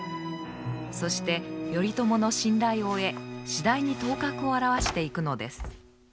そして頼朝の信頼を得次第に頭角を現していくのです。